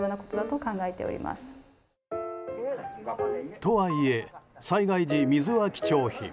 とはいえ、災害時水は貴重品。